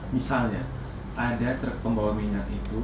misalnya ada truk pembawa minyak itu